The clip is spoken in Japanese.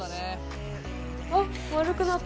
あっ丸くなった。